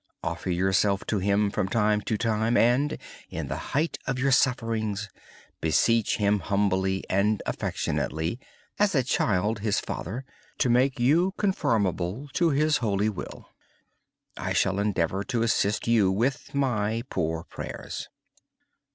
Offer yourself to Him from time to time. And, in the height of your sufferings, humbly and affectionately beseech Him (as a child his father) to make you conformable to His holy will. I shall endeavor to assist you with my poor prayers.